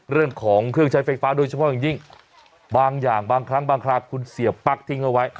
เรื่องของเครื่องใช้ไฟฟ้าโดยเฉพาะอย่างยิ่งบางอย่างบางครั้งบางคราวคุณเสียบปั๊กทิ้งเอาไว้